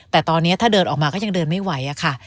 แต่ตอนนี้ถ้าเดินออกมาก็ยังเดินไม่ไหวอะค่ะ